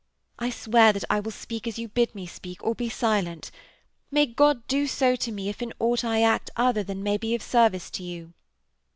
I swear that I will speak as you bid me speak, or be silent. May God do so to me if in aught I act other than may be of service to you!'